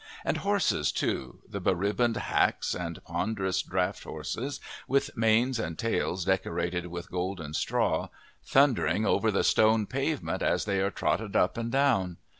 And horses, too, the beribboned hacks, and ponderous draught horses with manes and tails decorated with golden straw, thundering over the stone pavement as they are trotted up and down!